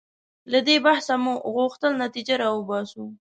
له دې بحثه مو غوښتل نتیجه راوباسو.